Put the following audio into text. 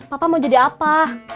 papa mau jadi apa